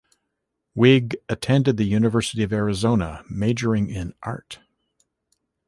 Wiig attended the University of Arizona, majoring in Art.